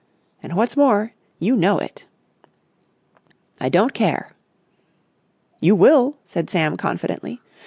"And what's more, you know it." "I don't care." "You will!" said Sam confidently.